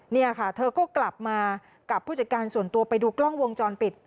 นี่ค่ะเธอก็กลับมากับผู้จัดการส่วนตัวไปดูกล้องวงจรปิด